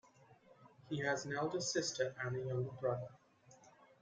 He has an elder sister and a younger brother.